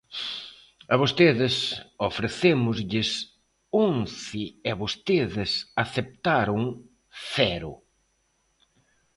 A vostedes ofrecémoslles once e vostedes aceptaron cero.